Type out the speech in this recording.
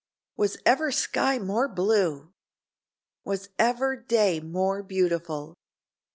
Was ever sky more blue? Was ever day more beautiful?